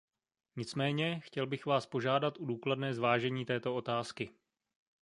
Nicméně, chtěl bych vás požádat o důkladné zvážení této otázky.